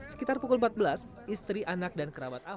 sekitar pukul empat belas istri anak dan kerabat ahok